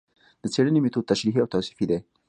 د څېړنې مېتود تشریحي او توصیفي دی